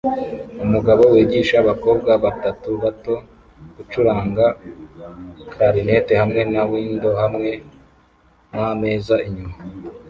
Umugabo wigisha abakobwa batatu bato gucuranga Clarinet hamwe na windows hamwe nameza inyuma